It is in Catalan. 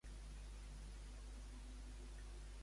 Adrofita li feia regals a Polifonte?